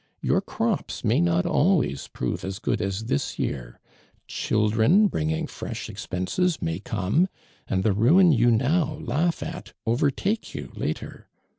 Your crops may not always prove as good as this year ; children, bring ing fresh expenses, may come ; and tlie ruin you now laugh at overtake you later.